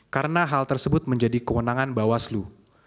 karena hal tersebut menjadi kewenangan bawah slu